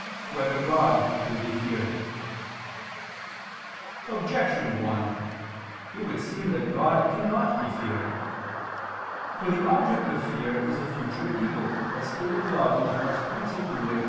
1] Whether God Can Be Feared? Objection 1: It would seem that God cannot be feared. For the object of fear is a future evil, as stated above (I II, Q.